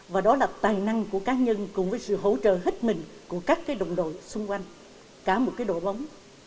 và đó là tài năng của cá nhân cùng với sự hỗ trợ hết mình của các đồng đội xung quanh cả một đội bóng